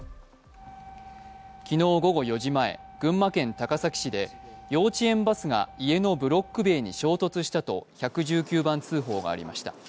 昨日午後４時前、群馬県高崎市で幼稚園バスが家のブロック塀に衝突したと１１９番通報がありました。